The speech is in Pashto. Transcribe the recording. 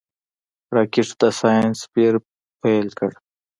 راکټ د ساینس پېر پيل کړ